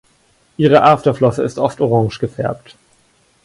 Ihre Afterflosse ist oft orange gefärbt.